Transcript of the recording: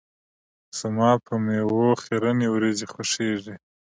زما په میو خیرنې وريژې خوښیږي.